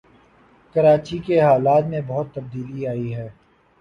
کراچی کے حالات میں بہت تبدیلی آئی ہے